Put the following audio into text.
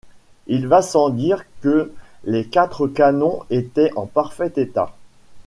Il va sans dire que les quatre canons étaient en parfait état